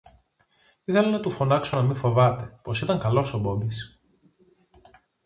Ήθελα να του φωνάξω να μη φοβάται, πως ήταν καλός ο Μπόμπης